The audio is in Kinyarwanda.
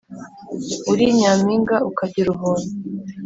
uri nyampinga ukagira ubuntu